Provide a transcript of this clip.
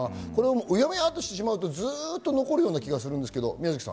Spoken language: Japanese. うやむやにすると、ずっと残るような気がするんですけど。